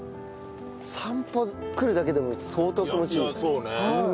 散歩来るだけでも相当気持ちいいよね。